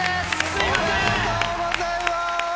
おめでとうございます！